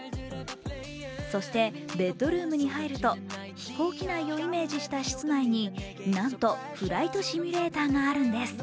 そして、ベッドルームに入ると飛行機内をイメージした室内になんとフライトシミュレーターがあるんです。